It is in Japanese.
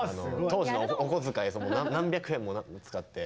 当時のお小遣い何百円も使って。